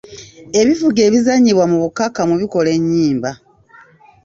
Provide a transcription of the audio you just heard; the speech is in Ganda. Ebivuga ebizannyibwa mu bukakkamu bikola enyimba.